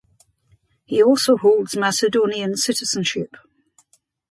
He also holds Macedonian citizenship.